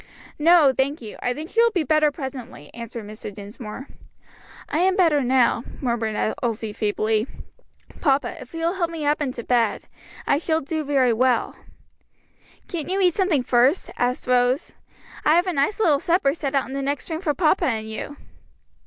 "No, thank you. I think she will be better presently," answered Mr. Dinsmore. "I am better now," murmured Elsie feebly. "Papa, if you will help me up to bed, I shall do very well." "Can't you eat something first?" asked Rose, "I have a nice little supper set out in the next room for papa and you."